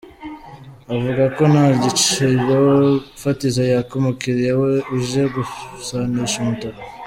Avuga ko nta giciro fatizo yaka umukiriya we uje gusanisha umutaka.